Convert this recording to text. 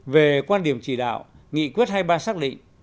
về quan điểm chỉ đạo nghị quyết hai mươi ba xác định